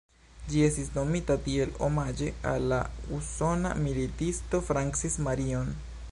Ĝi estis nomita tiel omaĝe al la usona militisto Francis Marion.